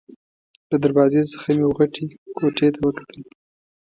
له دروازې څخه مې وه غټې کوټې ته وکتل.